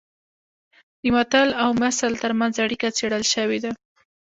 د متل او مثل ترمنځ اړیکه څېړل شوې ده